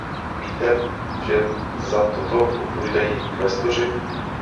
Víte, že za toto odpovídají kvestoři.